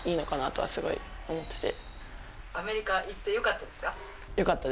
とはすごい思ってて。